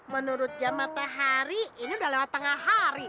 menurut jam matahari ini udah lewat tengah hari